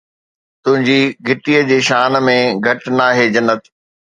تنهنجي گهٽيءَ جي شان ۾ گهٽ ناهي، جنت